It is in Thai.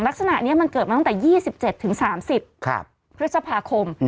ลักษณะนี้มันเกิดมาตั้งแต่๒๗๓๐พฤษภาคม